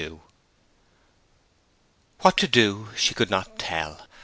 XXXII What to do she could not tell.